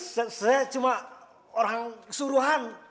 saya cuma orang kesuruhan